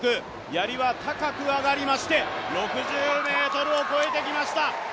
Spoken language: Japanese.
やりは高く上がりまして６０ｍを超えてきました。